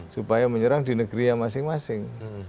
supaya menyerang di negeri yang masing masing